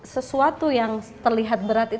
sesuatu yang terlihat